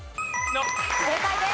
正解です。